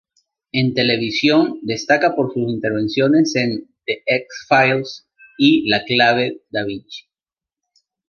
En televisión, destaca por su intervenciones en The X-Files y La clave Da Vinci.